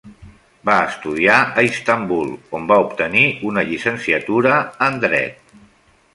Va estudiar a Istanbul, on va obtenir una llicenciatura en dret.